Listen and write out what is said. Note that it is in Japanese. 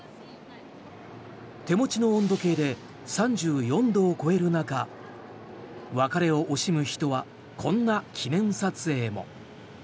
手持ちの温度計で３４度を超える中別れを惜しむ人はこんな記念撮影も。